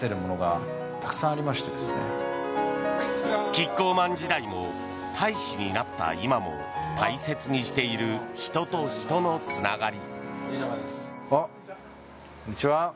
キッコーマン時代も大使になった今も大切にしている人と人のつながり。